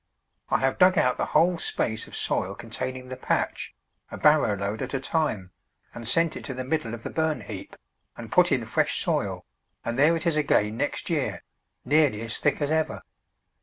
I have dug out the whole space of soil containing the patch, a barrow load at a time, and sent it to the middle of the burn heap, and put in fresh soil, and there it is again next year, nearly as thick as ever.